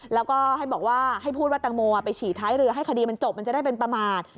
แล้วก็ให้บอกว่าให้พูดว่าตังโมไปฉี่ท้ายเรือให้คดีมันจบมันจะได้เป็นประมาท